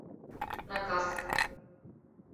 Накас.